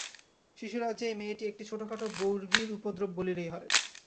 শিশুরাজ্যে এই মেয়েটি একটি ছোটোখাটো বর্গির উপদ্রব বলিলেই হয়।